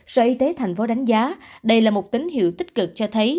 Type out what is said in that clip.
sở y tế thành phố đánh giá đây là một tín hiệu tích cực cho thấy